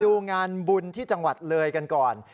ดูงานบุญที่จังหวัดเลยกันก่อน